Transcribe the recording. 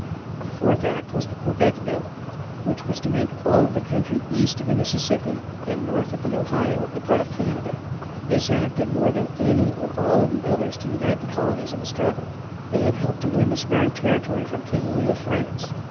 The fourth act was the Quebec Bill, which was to make of all the country east of the Mississippi and north of the Ohio a part of Canada. This act did more than any or all of the others to unite the colonies in the struggle. They had helped to win this very territory from King Louis of France.